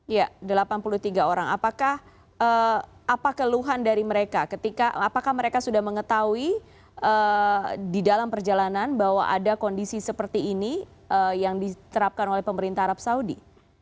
ya delapan puluh tiga orang apakah apa keluhan dari mereka ketika apakah mereka sudah mengetahui di dalam perjalanan bahwa ada kondisi seperti ini yang diterapkan oleh pemerintah arab saudi